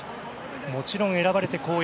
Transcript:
もちろん、選ばれて光栄。